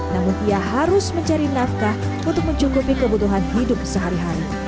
namun ia harus mencari nafkah untuk mencukupi kebutuhan hidup sehari hari